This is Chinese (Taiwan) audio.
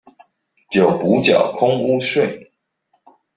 就補繳空屋稅